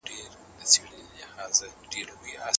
دوهم د منځګړو شرطونه.